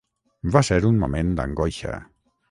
Va ser un moment d'angoixa.